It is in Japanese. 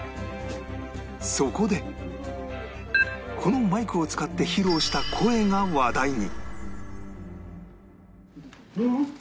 そこでこのマイクを使って披露した声が話題に